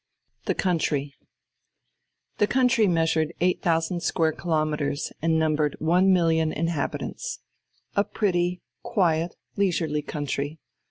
II THE COUNTRY The country measured eight thousand square kilometres, and numbered one million inhabitants. A pretty, quiet, leisurely country.